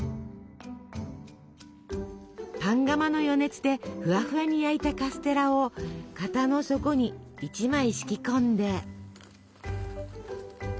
パン窯の余熱でふわふわに焼いたカステラを型の底に１枚敷き込んで。